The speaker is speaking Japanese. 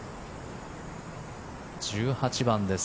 １８番です。